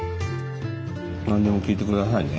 何でも聞いて下さいね。